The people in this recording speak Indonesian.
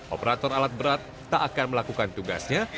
operator alat berat tak akan melakukan tugasnya